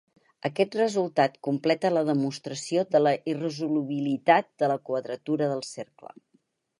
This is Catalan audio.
Aquest resultat completa la demostració de la irresolubilitat de la quadratura del cercle.